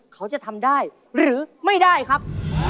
เขาจะทำได้หรือไม่ได้ครับ